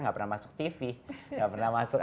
nggak pernah masuk tv gak pernah masuk